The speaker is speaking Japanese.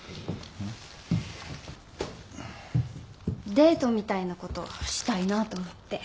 デートみたいなことしたいなと思って。